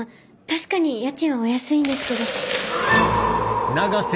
確かに家賃はお安いんですけど。